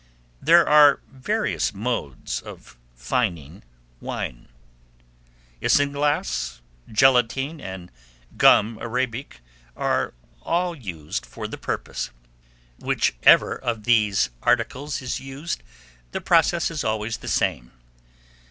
There are various modes of fining wine: isinglass, gelatine, and gum Arabic are all used for the purpose. Whichever of these articles is used, the process is always the same.